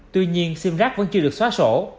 tuy nhiên sim rác vẫn chưa được xóa sổ